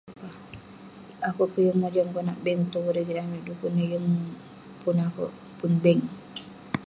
Akouk peh yeng mojam konak bank petuboh rigit amik dekuk neh akouk peh yeng pun bank.